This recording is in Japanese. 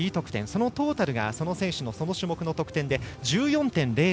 そのトータルがその選手のその種目の得点で１４．０００です。